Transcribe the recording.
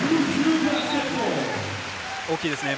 大きいですね。